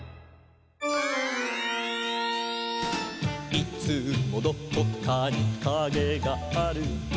「いつもどこかにカゲがある」